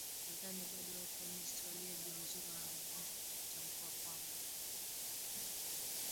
nadhani bado watu wa wa msri ambao waliojihuzulu wameanza kutambua kwamba